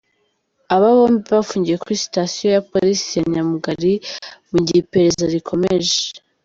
Aba bombi bafungiwe kuri sitasiyo ya Polisi ya Nyamugali mu gihe iperereza rikomeje.